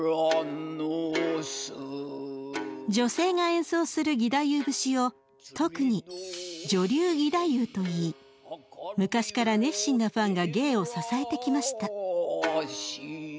女性が演奏する義太夫節を特に「女流義太夫」と言い昔から熱心なファンが芸を支えてきました。